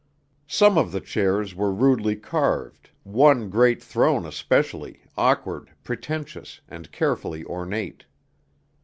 Some of the chairs were rudely carved, one great throne especially, awkward, pretentious, and carefully ornate.